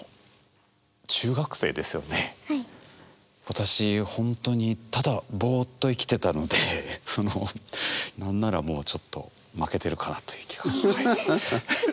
私ほんとにただぼっと生きてたのでその何ならもうちょっと負けてるかなという気が。